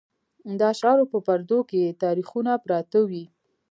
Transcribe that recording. د اشعارو په پردو کې یې تاریخونه پراته وي.